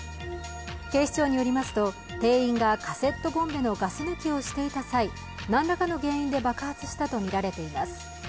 警視庁によりますと店員がカセットボンベのガス抜きをしていた際なんらかの原因で爆発したとみられています。